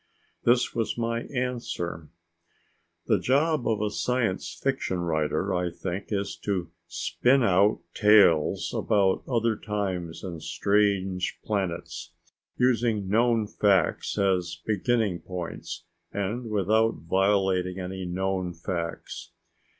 This was my answer: The job of a science fiction writer, I think, is to spin out tales about other times and strange planets, using known facts as beginning points, and without violating any known facts.